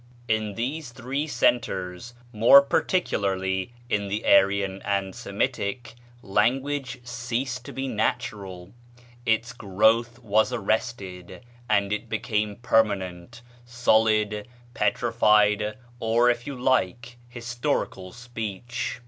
In these three centres, more particularly in the Aryan and Semitic, language ceased to be natural; its growth was arrested, and it became permanent, solid, petrified, or, if you like, historical speech.